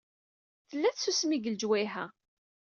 Tella tsusmi deg lejwayeh-a.